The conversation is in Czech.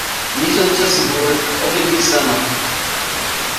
Mířil přes dvůr k obydlí své matky.